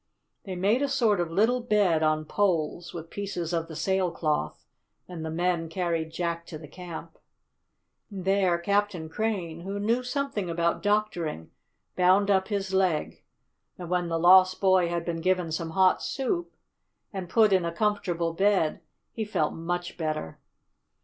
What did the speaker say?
They made a sort of little bed on poles, with pieces of the sail cloth, and the men carried Jack to the camp. There Captain Crane, who knew something about doctoring, bound up his leg, and when the lost boy had been given some hot soup, and put in a comfortable bed, he felt much better.